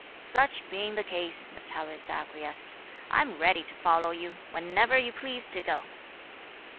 "Such being the case," the Taoist acquiesced, "I am ready to follow you, whenever you please to go."